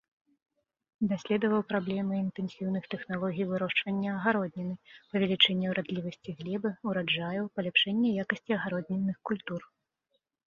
Даследаваў праблемы інтэнсіўных тэхналогій вырошчвання агародніны, павелічэння ўрадлівасці глебы, ураджаяў, паляпшэння якасці агароднінных культур.